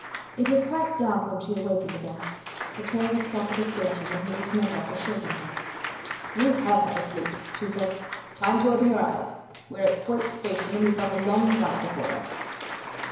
It was quite dark when she awakened again. The train had stopped at a station and Mrs. Medlock was shaking her. "You have had a sleep!" she said. "It's time to open your eyes! We're at Thwaite Station and we've got a long drive before us."